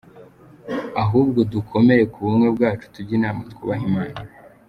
ahubwo dukomere kubumwe bwacu tujye inama twubahe Imana.